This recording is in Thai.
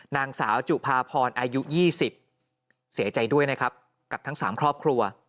นางสาวจุภาพรอายุ๒๐เสียใจด้วยนะครับกับทั้ง๓ครอบครัว